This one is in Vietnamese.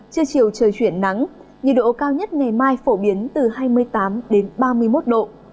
trưa chiều trời chuyển nắng nhiệt độ cao nhất ngày mai phổ biến từ hai mươi tám đến ba mươi một độ